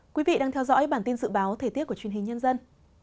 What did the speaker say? quý vị đang theo dõi bản tin dự báo thời tiết của truyền hình nhân dân